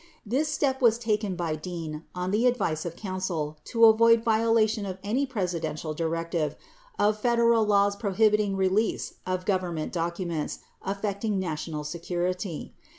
This step was taken by Dean, on the advice of counsel, to avoid violation of any Presidential directive of Federal laws prohibiting release of Government docu ments affecting national security.